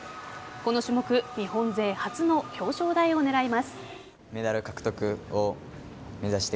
この種目、日本勢初の表彰台を狙います。